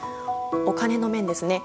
お金の面ですね。